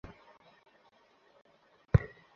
মা মেনে নিলো?